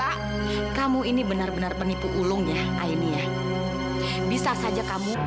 aku ini sebenarnya anak siapa sih